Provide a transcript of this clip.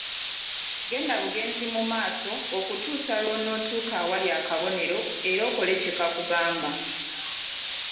Genda bugenzi mu maaso okutuusa lw’otuuka awali akabonero era okole kye kakugamba.